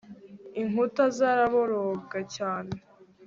inkuta zaraboroga cyane